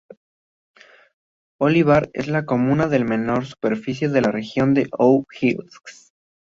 Olivar es la comuna de menor superficie de la región de O'Higgins.